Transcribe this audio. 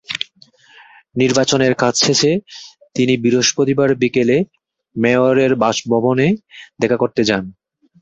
নির্বাচনের কাজ শেষে তিনি বৃহস্পতিবার বিকেলে মেয়রের বাসভবনে দেখা করতে যান।